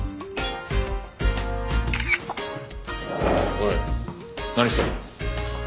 おい何してる！